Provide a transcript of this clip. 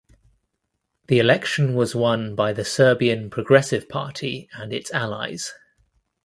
The election was won by the Serbian Progressive Party and its allies.